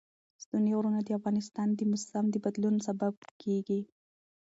ستوني غرونه د افغانستان د موسم د بدلون سبب کېږي.